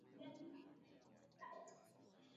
Burudani kuu katika kisiwa hiki ni likizo ya pwani